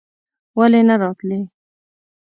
ولې نه راتلې?